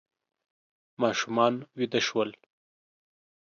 ماشومان ویده شول.